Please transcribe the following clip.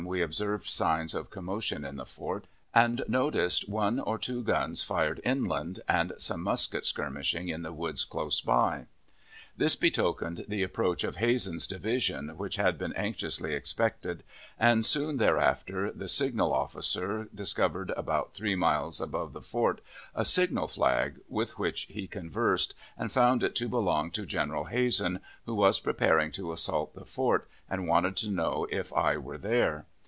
we observed signs of commotion in the fort, and noticed one or two guns fired inland, and some musket skirmishing in the woods close by. This betokened the approach of Hazen's division, which had been anxiously expected, and soon thereafter the signal officer discovered about three miles above the fort a signal flag, with which he conversed, and found it to belong to General Hazen, who was preparing to assault the fort, and wanted to know if I were there.